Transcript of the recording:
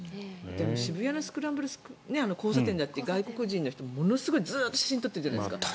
でも渋谷のスクランブル交差点だって外国人の人もずっと写真を撮ってるじゃないですか。